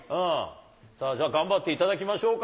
じゃあ頑張っていただきましょうか。